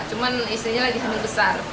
cuman istrinya lagi hamil besar